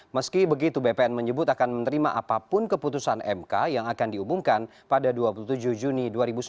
meski begitu bpn menyebut akan menerima apapun keputusan mk yang akan diumumkan pada dua puluh tujuh juni dua ribu sembilan belas